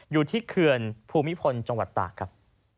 อยู่ที่เคือนภูมิพลจังหวัดตากครับ